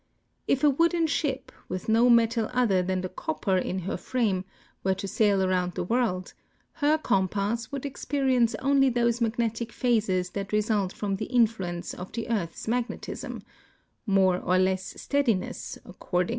If a wooden ship, with no metal other than the copper in her frame, were to sail around the world, her compass would experi ence only those magnetic phases that result from the influence of the earth's magnetism — more or less steadiness, according to THE COMPASS IN MODERN NA Via A TION